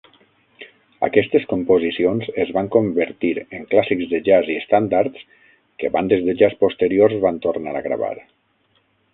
Aquestes composicions es van convertir en clàssics de jazz i estàndards que bandes de jazz posteriors van tornar a gravar.